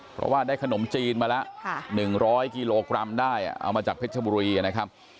เพราะว่าได้ขนมจีนมาละ๑๐๐กิโลกรัมได้เอามาจากเพชรบุรีนะครับ